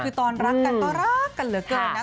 คือตอนรักกันก็รักกันเหลือเกินนะ